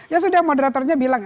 ya sudah moderatornya bilang